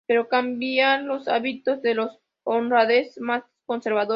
Pero cambiar los hábitos de los holandeses más conservadores